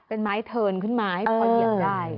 เป็นไม้เทินขึ้นมาให้พอเหยียบได้